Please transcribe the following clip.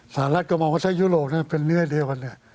สหรัฐก็มองว่าถ้ายุโรปนั้นเป็นเนื้อเดียวนั้น